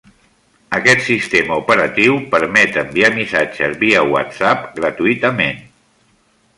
Aquest sistema operatiu permet enviar missatges via WhatsApp gratuïtament.